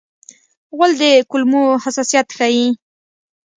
غول د کولمو حساسیت ښيي.